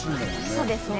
そうですね。